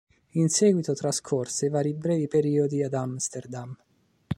In seguito trascorse vari brevi periodi ad Amsterdam.